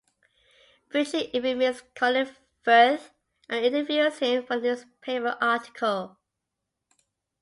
Bridget even meets Colin Firth and interviews him for a newspaper article.